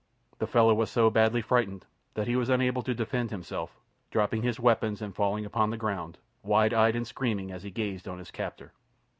The fellow was so badly frightened that he was unable to defend himself, dropping his weapons and falling upon the ground, wide eyed and screaming as he gazed on his captor.